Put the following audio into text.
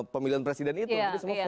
pemilihan presiden itu